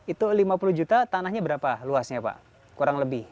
itu lima puluh juta tanahnya berapa luasnya pak kurang lebih